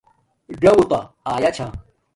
ژݹتا آیا چھا